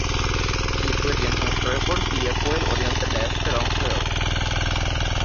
ডিওক্লেটিয়ান সংস্কারের পর, সিরিয়া কোয়েল ওরিয়েন্সের ডায়োসিসের অংশ হয়ে ওঠে।